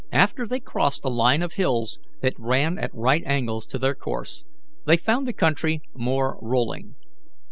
After they crossed a line of hills that ran at right angles to their course they found the country more rolling.